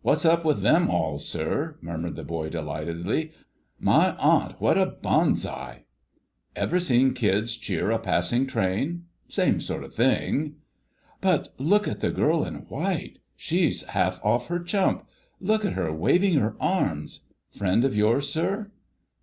"What's up with them all, sir?" murmured the boy delightedly. "My Aunt! What a Banzai!" "Ever seen kids cheer a passing train? Same sort of thing." "But look at the girl in white; she's half off her chump—look at her waving her arms.... Friend of yours, sir?"